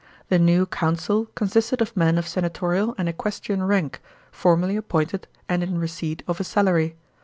The new Council consisted of meii of senatorial and equestrian rank, formally appointed and in receipt of a salary.